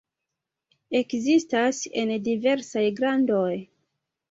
Ekzistas en diversaj grandoj.